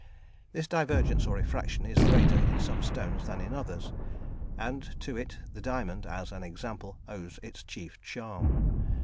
This divergence or refraction is greater in some stones than in others, and to it the diamond, as an example, owes its chief charm.